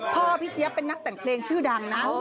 พี่เจี๊ยบเป็นนักแต่งเพลงชื่อดังนะ